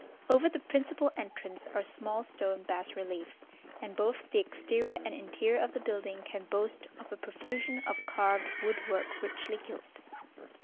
Over the principal entrance are small stone bas reliefs, and both the exterior and interior of the building can boast of a profusion of carved wood work richly gilt.